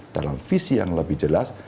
dalam visi yang lebih jelas